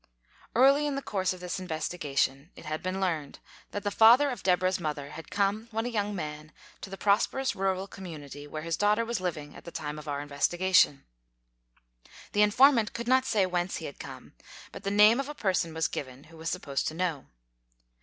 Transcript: FACTS ABOUT THE KALLIKAK FAMILY 79 Early in the course of this investigation, it had been learned that the father of Deborah's mother had come, when a young man, to the prosperous rural community where his daughter was living at the time of our in vestigation. The informant could not say whence he had come, but the name of a person was given who was supposed to know.